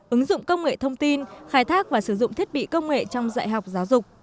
ứng dụng công nghệ thông tin khai thác và sử dụng thiết bị công nghệ trong dạy học giáo dục